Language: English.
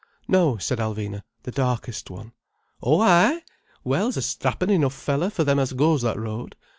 "No," said Alvina. "The darkest one." "Oh ay! Well, 's a strappin' anuff feller, for them as goes that road.